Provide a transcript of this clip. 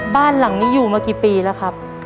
บ้านหลังนี้อยู่มากี่ปีแล้วครับ